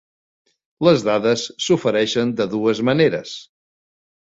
Les dades s'ofereixen de dues maneres.